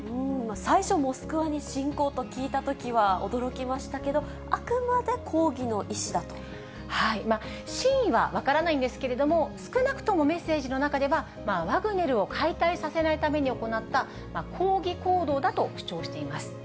最初、モスクワに進行と聞いたときは驚きましたけど、真意は分からないんですけれども、少なくともメッセージの中では、ワグネルを解体させないために行った抗議行動だと主張しています。